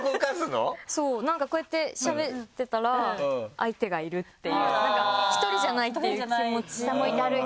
そうなんかこうやってしゃべってたら相手がいるっていうなんか１人じゃないっていう気持ち。